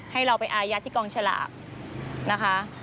ให้เราไปอายัดที่กองฉลากนะคะ